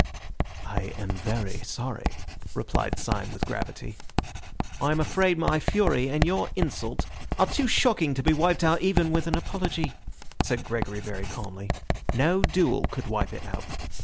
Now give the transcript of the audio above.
"I am very sorry," replied Syme with gravity. "I am afraid my fury and your insult are too shocking to be wiped out even with an apology," said Gregory very calmly. "No duel could wipe it out.